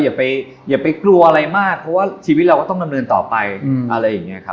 อย่าไปกลัวอะไรมากเพราะว่าชีวิตเราก็ต้องดำเนินต่อไปอะไรอย่างนี้ครับ